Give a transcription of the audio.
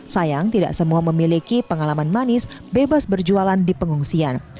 sayang tidak semua memiliki pengalaman manis bebas berjualan di pengungsian